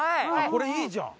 これいいじゃん。